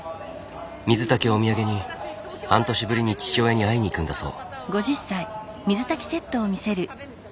水炊きをお土産に半年ぶりに父親に会いに行くんだそう。